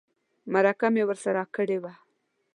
مرکه مې ورسره کړې وای.